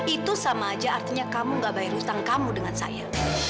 itu sama aja artinya kamu gak bayar hutang kamu dengan saya